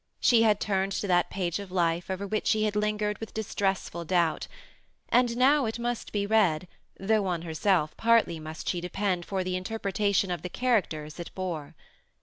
She had tamed to that page of life over which she had lingered with distress ful doubt ; and now it must be read, though on herself partly must she depend for the interpretation of the characters it bore.